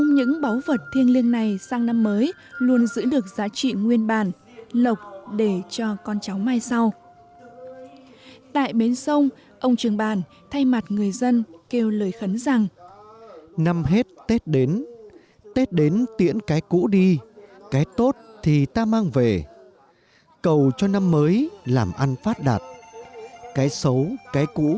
nhưng niềm vui tiếng cười sự sàng khoái mà những trò chơi dân gian